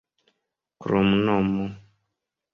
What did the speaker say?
kromnomo